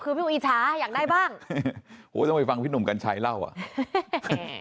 คือพี่อุจฉาอยากได้บ้างโอ้ต้องไปฟังพี่หนุ่มกัญชัยเล่าอ่ะ